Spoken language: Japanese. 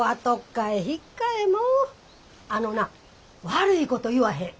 あのな悪いこと言わへん。